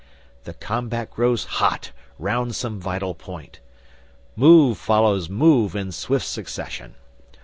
The combat grows hot round some vital point. Move follows move in swift succession.